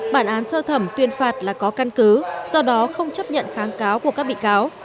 bản án sơ thẩm tuyên phạt là có căn cứ do đó không chấp nhận kháng cáo của các bị cáo